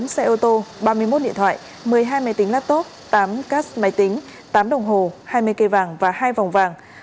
bốn xe ô tô ba mươi một điện thoại một mươi hai máy tính laptop tám cas máy tính tám đồng hồ hai mươi cây vàng và hai vòng vàng